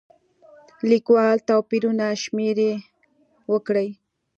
لیکوال توپیرونه شمېرې وکړي.